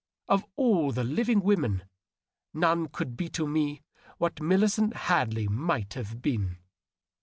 Of all living women none could be to me what Millicent Hadley might have been.